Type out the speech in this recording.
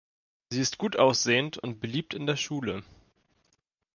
Sie ist gutaussehend und beliebt in der Schule.